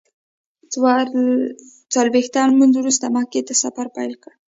څلویښتم لمونځ وروسته مکې ته سفر پیل کړ.